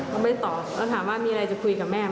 ก็ไม่ตอบแล้วถามว่ามีอะไรจะคุยกับแม่